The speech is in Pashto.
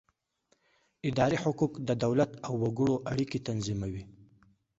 اداري حقوق د دولت او وګړو اړیکې تنظیموي.